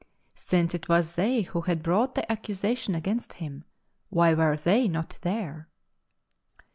Since it was they who had brought the accusation against him, why were they not there